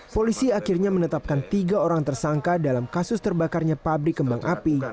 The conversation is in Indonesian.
polisi akhirnya menetapkan tiga orang tersangka dalam kasus terbakarnya pabrik kembang api